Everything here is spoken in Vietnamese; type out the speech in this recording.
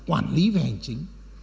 quản lý về hành chính